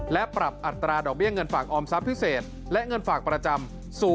และปรับอัตราดอกเบี้ยเงินฝากออมทรัพย์พิเศษและเงินฝากประจำ